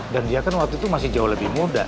dan dia kan waktu itu masih jauh lebih muda